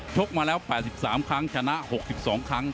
กมาแล้ว๘๓ครั้งชนะ๖๒ครั้ง